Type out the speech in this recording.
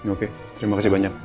oke terima kasih banyak